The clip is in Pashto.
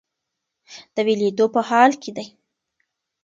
د ویلیدو په حال کې دی.